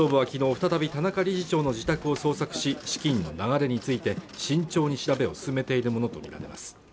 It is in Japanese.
再び田中理事長の自宅を捜索し資金の流れについて慎重に調べを進めているものと見られます